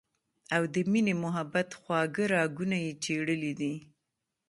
او د مينې محبت خواږۀ راګونه ئې چېړلي دي